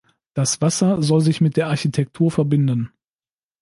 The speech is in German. Das Wasser soll sich mit der Architektur verbinden.